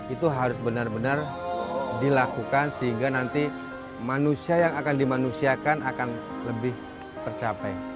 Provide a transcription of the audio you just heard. itu harus benar benar dilakukan sehingga nanti manusia yang akan dimanusiakan akan lebih tercapai